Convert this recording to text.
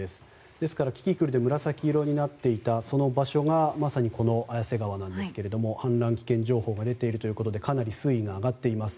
ですから、キキクルで紫色になっていた、その場所がまさに綾瀬川ですが氾濫危険情報が出ているということでかなり水位が上がっています。